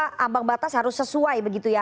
setuju bahwa ambang batas harus sesuai begitu ya